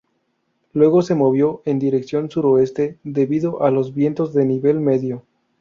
Luego se movió en dirección suroeste debido a los vientos de nivel medio.